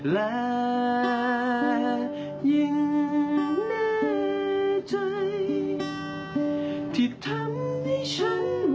และยิ่งแน่ใจที่ทำให้ฉันหวั่นไหว